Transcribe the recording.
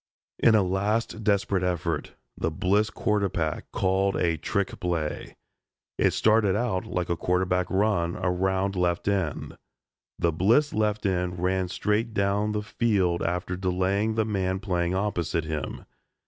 In a last desperate effort, the Bliss quarterback called a trick play. It started out like a quarterback run around left end. The Bliss left end ran straight down the field after delaying the man playing opposite him.